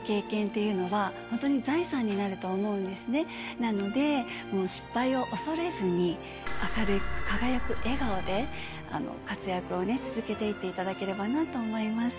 なので失敗を恐れずに明るい輝く笑顔で活躍を続けていただければなと思います。